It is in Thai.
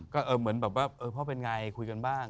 ก็เหมือนแบบว่าพ่อเป็นไงคุยกันบ้าง